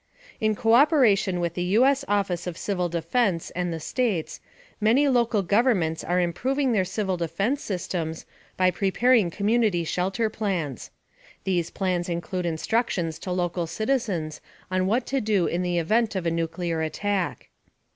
In cooperation with the U.S. Office of Civil Defense and the States, many local governments are improving their civil defense systems by preparing community shelter plans. These plans include instructions to local citizens on what to do in the event of nuclear attack.